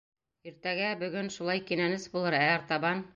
Иртәгә, бөгөн шулай кинәнес булыр, ә артабан...